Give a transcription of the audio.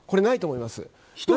ないと思います。